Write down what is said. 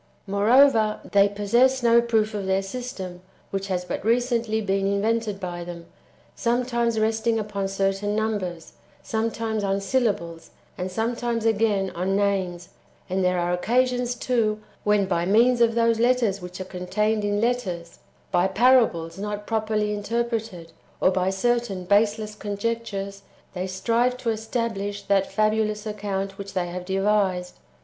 8. Moreover, they possess no proof of their system, which has but recently been invented by them, sometimes resting upon certain numbers, sometimes on syllables, and sometimes, again, on names ; and there are occasions, too, when, by means of those letters which are contained in letters, by parables not properly interpreted, or by certain [baseless] conjectures, they strive to establish that fabulous account wdiich they have devised.